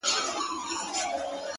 بيا يوازيتوب دی بيا هغه راغلې نه ده؛